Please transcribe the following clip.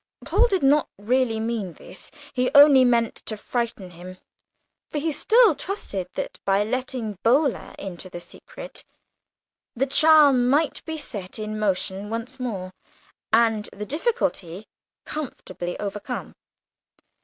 Paul did not really mean this, he only meant to frighten him; for he still trusted that, by letting Boaler into the secret, the charm might be set in motion once more, and the difficulty comfortably overcome.